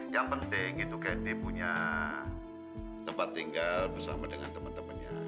yang penting itu candy punya tempat tinggal bersama dengan temen temennya